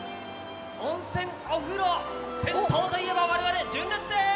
温泉お風呂銭湯といえば我々純烈です！